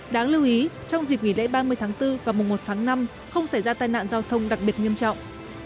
đáng lưu ý trong dịp nghỉ lễ ba mươi tháng bốn và mùa một tháng năm không xảy ra tai nạn giao thông đặc biệt nghiêm trọng